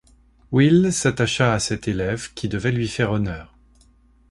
Wille s’attacha à cet élève, qui devait lui faire honneur.